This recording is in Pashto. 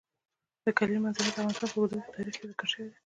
د کلیزو منظره د افغانستان په اوږده تاریخ کې ذکر شوی دی.